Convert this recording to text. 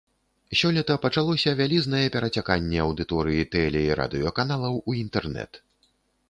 Сёлета пачалося вялізнае перацяканне аўдыторыі тэле- і радыёканалаў у інтэрнэт.